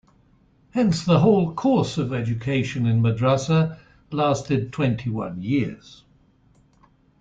Hence, the whole course of education in madrasah lasted twenty-one years.